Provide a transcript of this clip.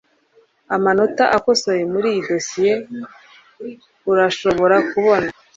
Amanota akosoye Muri iyi dosiye urashobora kubona